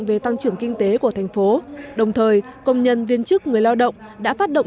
về tăng trưởng kinh tế của thành phố đồng thời công nhân viên chức người lao động đã phát động